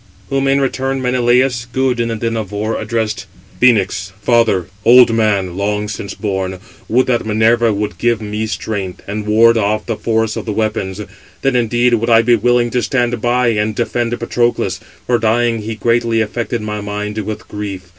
Whom, in return, Menelaus, good in the din of war, addressed: "Phœnix, father, old man long since born, would that Minerva would give me strength, and ward off the force of the weapons. Then indeed would I be willing to stand by and defend Patroclus; for dying, he greatly affected my mind with grief.